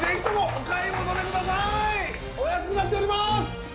お安くなっております！